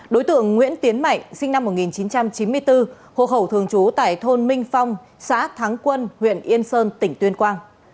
đối tượng nguyễn tiến mạnh sinh năm một nghìn chín trăm chín mươi bốn hộ khẩu thường trú tại thôn minh phong xã thắng quân huyện yên sơn tỉnh tuyên quang